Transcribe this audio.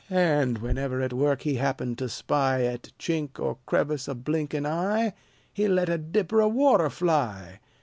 And whenever at work he happened to spy At chink or crevice a blinking eye, He let a dipper of water fly.